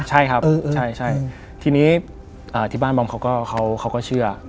ใช่ครับใช่ทีนี้ที่บ้านบอมเขาก็เชื่อ